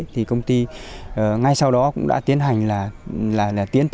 thì công ty ngay sau đó cũng đã tiến hành là tiến